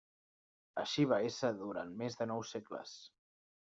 Així va ésser durant més de nou segles.